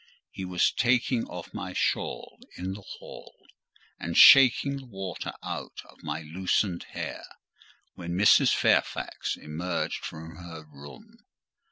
He was taking off my shawl in the hall, and shaking the water out of my loosened hair, when Mrs. Fairfax emerged from her room.